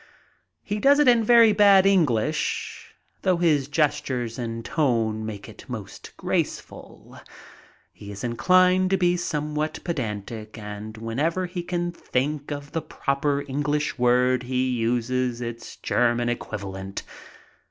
He does it in very bad English, though his gestures and tone make it most graceful. He is inclined to be somewhat pedantic and whenever he cannot think of the proper Eng lish word he uses its German equivalent.